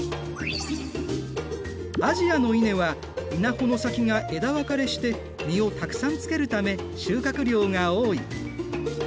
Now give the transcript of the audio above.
アジアの稲は稲穂の先が枝分かれして実をたくさんつけるため収穫量が多い。